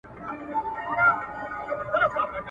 دا کتاب تر هغه ډېر معلومات لري.